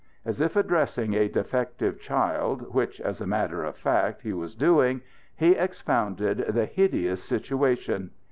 As if addressing a defective child, which, as a matter of fact, he was doing, he expounded the hideous situation.